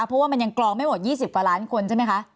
เพราะว่ามันยังกรองไม่หมด๒๐กว่าล้านคนใช่ไหมคะ